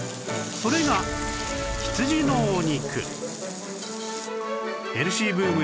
それが羊のお肉